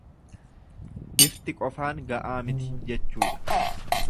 Bifti qofaan ga'aa miti jechuudha.